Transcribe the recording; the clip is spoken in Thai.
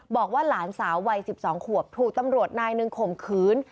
บอกว่าหลานสาววัย๑๒ขวบถูกตำรวจนายหนึ่งข่มขืน